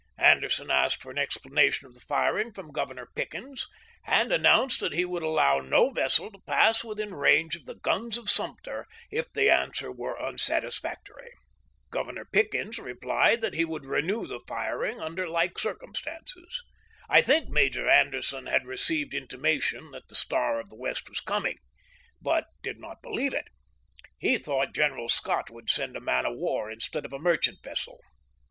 Ander son asked for an explanation of the firing from Governor Pickens, and announced that he would allow no vessel to pass within range of the guns of Suinter if the answer was unsatisfactory. Governor Pickens replied that he would renew the firing under like circumstances. I think Major Anderson had received an intimation that the Star of the West was coming, but did not believe it. He thought General Scott would send a man of war instead of a merchant vessel.